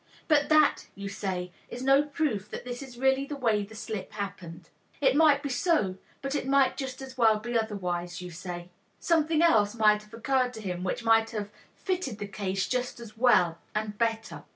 But that, you say, is no proof that this is really the way the slip happened. It might be so, but it might just as well be otherwise, you say. Something else might have occurred to him which might have fitted the case just as well and better.